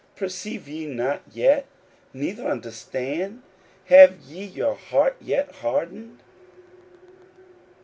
perceive ye not yet, neither understand? have ye your heart yet hardened?